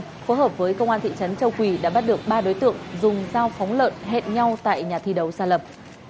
phối hợp với công an thị trấn châu quỳ đã bắt được ba đối tượng dùng dao phóng lợn hẹn nhau tại nhà thi đấu xa lập